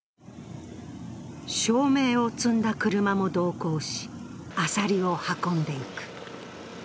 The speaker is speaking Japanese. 照明を積んだ車も同行し、アサリを運んでいく。